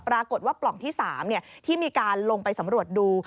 ปรากฏว่าปล่องที่๓ที่มีการลงไปสำรวจดู